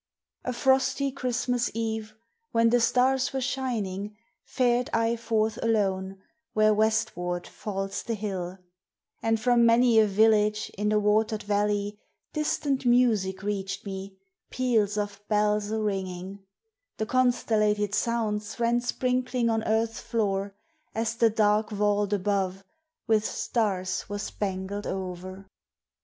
_ A frosty Christmas Eve when the stars were shining Fared I forth alone where westward falls the hill, And from many a village in the water'd valley Distant music reach'd me peals of bells aringing: The constellated sounds ran sprinkling on earth's floor As the dark vault above with stars was spangled o'er.